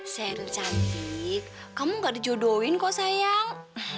seru cantik kamu gak dijodohin kok sayang